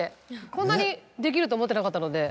こんなにできると思ってなかったので。